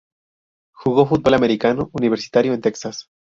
Jugó fútbol americano universitario en Texas.